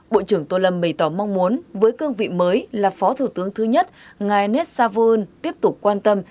bộ trưởng tô lâm bày tỏ mong muốn với cương vị mới là phó thủ tướng thứ nhất ngài nét savoyun tiếp tục quan tâm